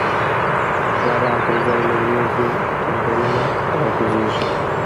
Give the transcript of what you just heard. د باران پر ځای له وریځو، تندرونه را کوزیږی